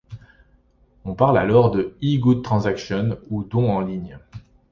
On parle alors de e-GoodTransaction, ou don en ligne.